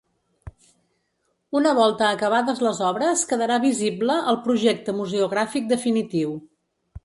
Una volta acabades les obres quedarà visible al projecte museogràfic definitiu.